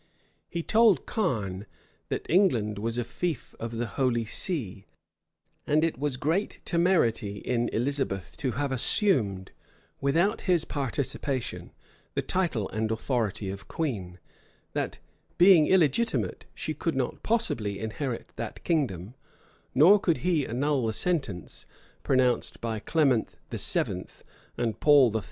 He told Carne, that England was a fief of the holy see; and it was great temerity in Elizabeth to have assumed, without his participation, the title and authority of queen: that being illegitimate, she could not possibly inherit that kingdom; nor could he annul the sentence, pronounced by Clement VII. and Paul III.